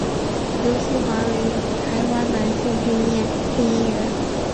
刘锡华为台湾男性配音员。